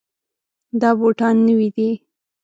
دا بوټان نوي دي.